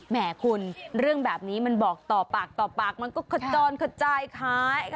แหมคุณเรื่องแบบนี้มันบอกต่อปากต่อปากมันก็ขจรขจายคล้าย